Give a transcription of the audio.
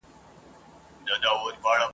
اوس پر څه دي جوړي کړي غلبلې دي !.